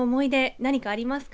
何かありますか。